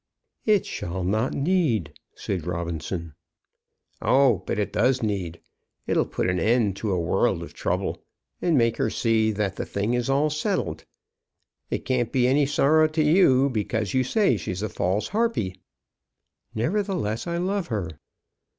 "It shall not need," said Robinson. "Oh, but it does need. It'll put an end to a world of trouble and make her see that the thing is all settled. It can't be any sorrow to you, because you say she's a false harpy." "Nevertheless, I love her."